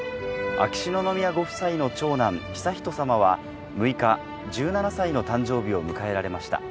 秋篠宮ご夫妻の長男悠仁さまは６日１７歳の誕生日を迎えられました。